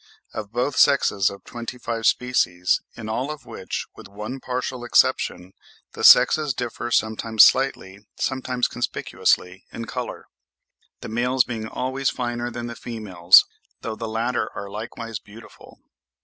of both sexes of twenty five species, in all of which, with one partial exception, the sexes differ sometimes slightly, sometimes conspicuously, in colour,—the males being always finer than the females, though the latter are likewise beautiful.